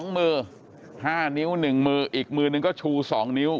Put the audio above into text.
๒มือ๕นิ้ว๑มืออีกมือนึงก็ชู๒นิ้ว